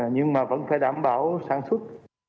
nhưng mà vẫn phải đảm bảo sản xuất